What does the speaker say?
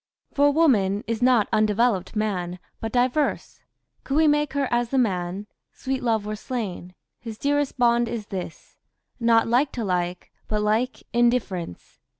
...*...*...*...* For woman is not undevelopt man But diverse: could we make her as the man, Sweet Love were slain; his dearest bond is this, Not like to like, but like in difference.